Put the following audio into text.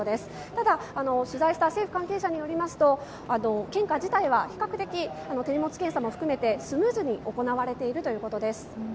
ただ、取材した政府関係者によりますと献花自体は比較的、手荷物検査も含めてスムーズに行われているということです。